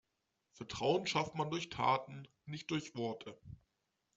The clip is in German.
Vertrauen schafft man durch Taten, nicht durch Worte.